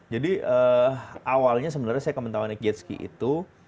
jadi awalnya sebenarnya saya kementaranya kijetski itu